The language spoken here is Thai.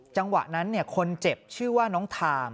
จังหวะนั้นคนเจ็บชื่อว่าน้องทาม